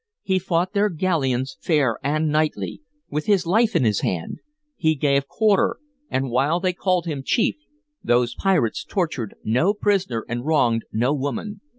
He fought their galleons fair and knightly, with his life in his hand; he gave quarter, and while they called him chief those pirates tortured no prisoner and wronged no woman.